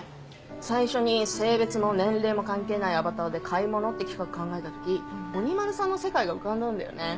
最初に性別も年齢も関係ないアバターで買い物って企画考えた時鬼丸さんの世界が浮かんだんだよね。